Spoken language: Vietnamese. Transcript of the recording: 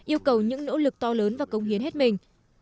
yêu cầu những nỗ lực to lớn và công hiến hết mình